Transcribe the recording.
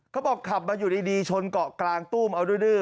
เขาบอกขับมาอยู่ดีชนเกาะกลางตู้มเอาดื้อ